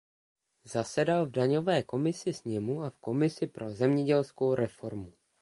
Zasedal v daňové komisi sněmu a v komisi pro zemědělskou reformu.